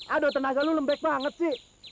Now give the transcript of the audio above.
aduh tenaga lo lembek banget sih